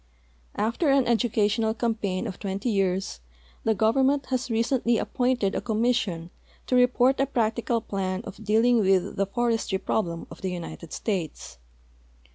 After an edu cational campaign of twenty years the government has recently a[)[)ointed a commission to report a practical jilan of dealing with the forestry problem of the United States.